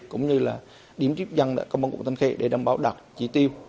cũng như là điểm tiếp dân công an quận tân khê để đảm bảo đạt chỉ tiêu